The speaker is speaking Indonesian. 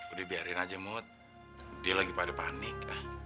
udah biarin aja mut dia lagi pada panik